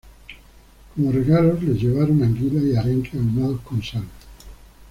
Como regalos les llevaron anguilas y arenques ahumados con sal.